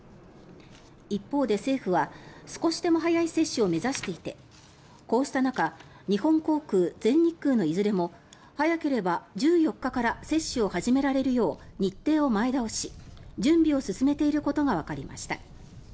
一方で、政府は少しでも早い接種を目指していてこうした中日本航空、全日空のいずれも早ければ１４日から接種を始められるよう日程を前倒し、準備を進めていることがわかりました。